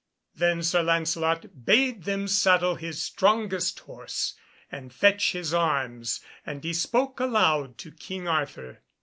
Then Sir Lancelot bade them saddle his strongest horse and fetch his arms, and he spoke aloud to King Arthur.